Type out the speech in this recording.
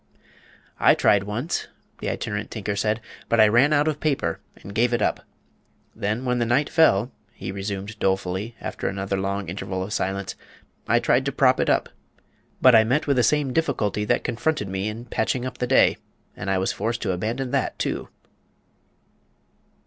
"I tried once," the Itinerant Tinker said, "but I ran out of paper and gave it up. Then, when the night fell," he resumed dolefully, after another long interval of silence, "I tried to prop it up. But I met with the same difficulty that confronted me in patching up the day, and was forced to abandon that too."